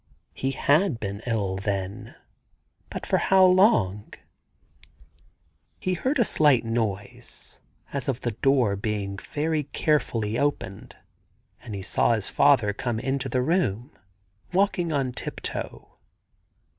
He had been ill, then t ... but for how long ? He heard a slight noise as of the door being very carefully opened, and he saw his father come into the room, walking on tiptoe.